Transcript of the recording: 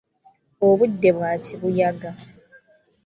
Obudde bwa kibuyaga.